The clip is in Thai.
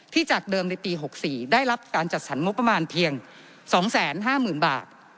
จากเดิมในปี๖๔ได้รับการจัดสรรงบประมาณเพียง๒๕๐๐๐บาท